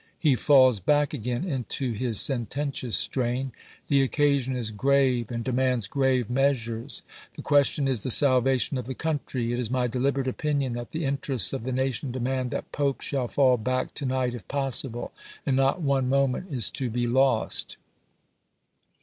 He falls back again into his sententious strain :" The occa sion is grave, and demands grave measui es. The question is the salvation of the country. .. It is my deliberate opinion that the interests of the v^.xi., nation demand that Pope shall fall back to night Part I • p. 103." if possible, and not one moment is to be lost."